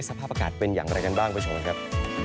สภาพอากาศเป็นอย่างไรกันบ้างไปชมกันครับ